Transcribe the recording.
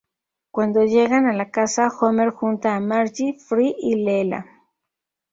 Cuando llegan a la casa, Homer junta a Marge, Fry y Leela.